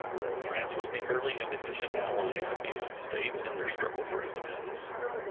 France was the early and efficient ally of the United States in their struggle for independence.